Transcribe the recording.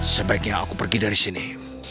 sebaiknya aku pergi dari sini